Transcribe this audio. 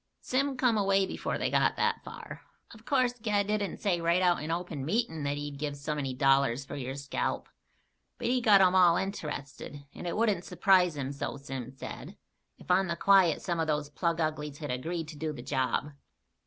"Sim come away before they got that far. Of course Ged didn't say right out in open meetin' that he'd give so many dollars for your scalp. But he got 'em all int'rested, and it wouldn't surprise him, so Sim said, if on the quiet some of those plug uglies had agreed to do the job."